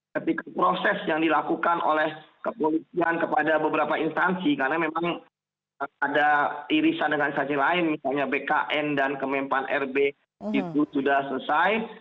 ketika proses yang dilakukan oleh kepolisian kepada beberapa instansi karena memang ada irisan dengan instansi lain misalnya bkn dan kemempan rb itu sudah selesai